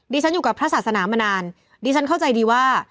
ฉันอยู่กับพระศาสนามานานดิฉันเข้าใจดีว่า